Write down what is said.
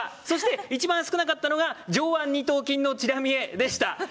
そして、一番少なかったのが「上腕二頭筋のチラ見え」でした。